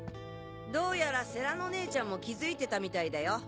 どうやら世良の姉ちゃんも気付いてたみたいだよ。